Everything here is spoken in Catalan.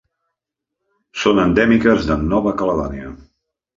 Són endèmiques de Nova Caledònia.